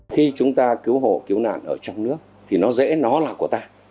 khi chúng ta cứu hộ cứu nạn ở trong nước thì nó dễ nó là của ta